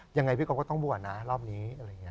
ยังไงพี่กรมก็ต้องบวชนะรอบนี้